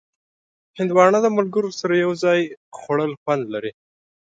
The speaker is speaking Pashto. هندوانه د ملګرو سره یو ځای خوړل خوند لري.